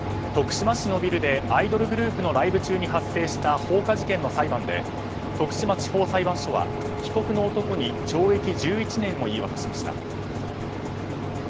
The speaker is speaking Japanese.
徳島市のビルでアイドルグループのライブ中に発生した放火事件の裁判で徳島地方裁判所は被告の男に懲役１１年を言い渡しました。